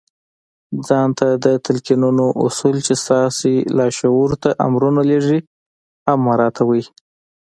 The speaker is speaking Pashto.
ځان ته د تلقينولو اصل چې ستاسې لاشعور ته امرونه لېږي هم مراعتوئ.